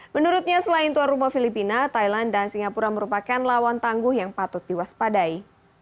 menurutnya selain tuan rumah filipina thailand dan singapura merupakan lawan tangguh yang patut diwaspadai